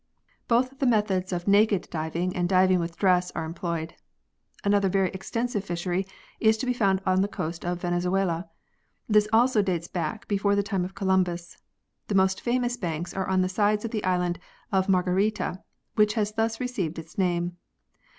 Both the methods of naked diving and diving with dress are employed. Another very extensive fishery is to be found on the coast of Venezuela. This also dates back before the time of Columbus. The most famous banks are on the sides of the island of Margarita which has thus received its name.